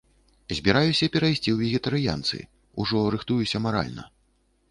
Збіраюся перайсці ў вегетарыянцы, ужо рыхтуюся маральна.